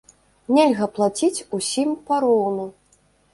Нельга плаціць усім пароўну.